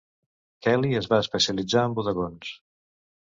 Kelly es va especialitzar en bodegons.